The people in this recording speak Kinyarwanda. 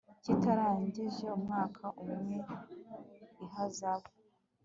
kitarengeje umwaka umwe n ihazabu